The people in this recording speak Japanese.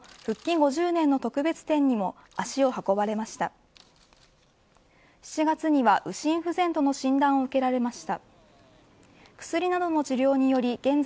５０年の特別展にも足を運ばれました。